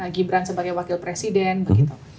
gibran sebagai wakil presiden begitu